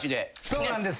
そうなんです。